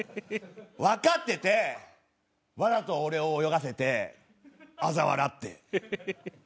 わかっててわざと俺を泳がせてあざ笑って。